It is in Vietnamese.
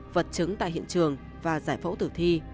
vật chứng tại hiện trường và giải phẫu tử thi